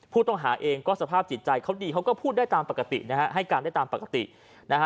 ผู้ต้องหาเองก็สภาพจิตใจเขาดีเขาก็พูดได้ตามปกตินะฮะให้การได้ตามปกตินะฮะ